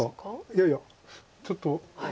いやいやちょっと。